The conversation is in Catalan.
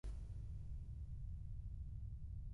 És una planta perenne i de fulla caduques.